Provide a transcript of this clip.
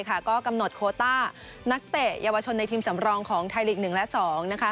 ก็กำหนดโคต้านักเตะเยาวชนในทีมสำรองของไทยลีก๑และ๒นะคะ